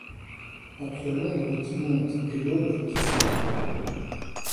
Entre l’ombre qui monte et l’aube qui se lève